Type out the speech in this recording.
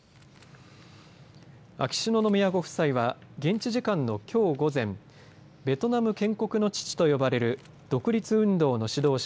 秋篠宮ご夫妻は現地時間のきょう午前ベトナム建国の父と呼ばれる独立運動の指導者